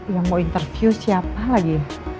yang mau interview siapa lagi